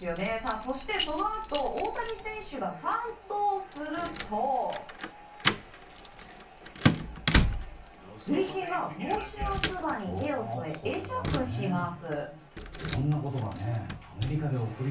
そして、そのあと大谷選手が３盗すると塁審が帽子のつばに手を添え会釈します。